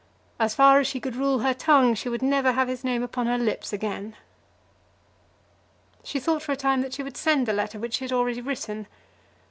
As far as she could rule her tongue, she would never have his name upon her lips again. She thought for a time that she would send the letter which she had already written.